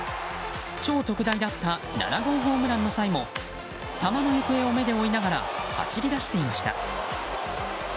超特大だった７号ホームランの際も球の行方を目で追いながら走り出していました。